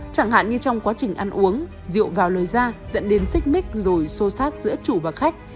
chẳng hạn như trong quá trình ăn uống rượu vào lời da dẫn đến xích mít rồi xô xát giữa chủ và khách